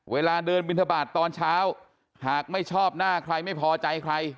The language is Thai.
เวลาเดินบินทบาทตอนเช้าหากไม่ชอบหน้าใครไม่พอใจใคร